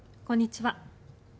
こんにちは。